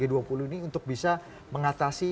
ini untuk bisa mengatasi